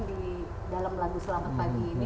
di dalam lagu selamat pagi ini